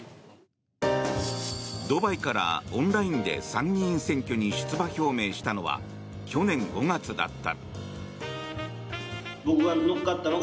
ドバイからオンラインで参議院選挙に出馬表明したのは去年５月だった。